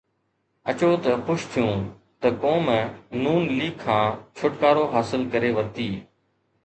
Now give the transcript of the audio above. اچو ته خوش ٿيون ته قوم نون ليگ کان ڇوٽڪارو حاصل ڪري ورتي.